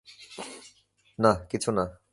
নাহ, কিছুনা।